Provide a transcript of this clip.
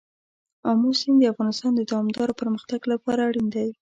آمو سیند د افغانستان د دوامداره پرمختګ لپاره اړین دی.